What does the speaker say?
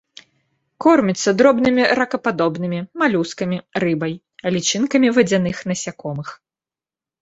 Корміцца дробнымі ракападобнымі, малюскамі, рыбай, лічынкамі вадзяных насякомых.